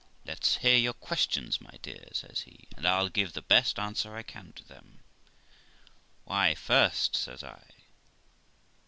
'Let's hear your questions, my dear', says he, 'and I'll give the best answer I can to them.' 'Why, first says I : I.